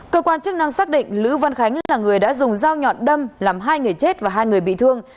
cơ quan chức năng xác định lữ văn khánh là người đã dùng dao nhọn đâm làm hai người chết và hai người bị thương